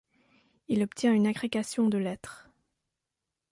Il obtient une agrégation de lettres.